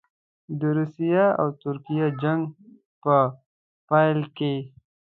د روسیې او ترکیې جنګ په پیل کې.